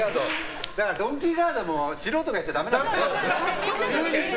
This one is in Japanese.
ドンキーガードも素人がやっちゃダメなんだね。